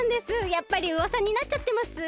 やっぱりうわさになっちゃってます？